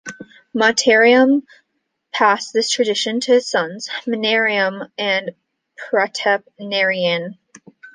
Motiram passed this tradition to his sons, Maniram and Pratap Narayan.